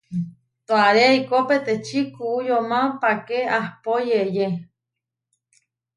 Toaré eikó peteči kuú yomá páke ahpó yeʼyé.